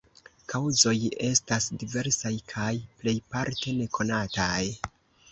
Kaŭzoj estas diversaj kaj plejparte nekonataj.